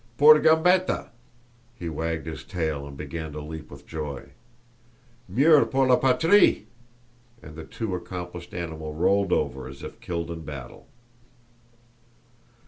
"Pour Gambetta!" (He wagged his tail and began to leap with joy.) "Meurs pour la patrie!" And the too accomplished animal rolled over as if killed in battle!